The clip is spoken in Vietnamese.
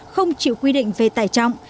không chịu quy định về tài trọng